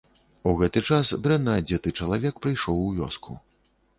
У гэты час дрэнна адзеты чалавек прыйшоў у вёску.